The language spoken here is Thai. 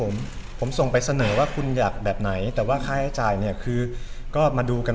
มีครับมีสระว่ายน้ำมีนู่นนั่นนี่คือพื้นที่มันดูดี